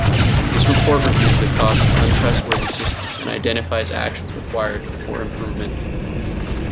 This report reviews the cost of un-trustworthy systems and identifies actions required for improvement.